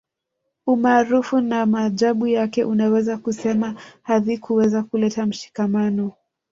Umaarufu na maajabu yake unaweza kusema havikuweza kuleta mshikamano